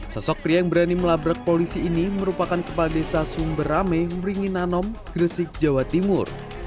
sosok pria yang berani melabrak polisi ini merupakan kepala desa sumberame wuringinanom gresik jawa timur